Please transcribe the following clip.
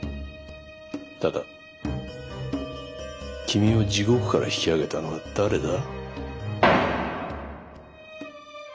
ただ君を地獄から引き上げたのは誰だ？